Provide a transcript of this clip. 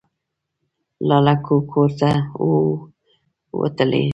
لا له کوره نه وو وتلي.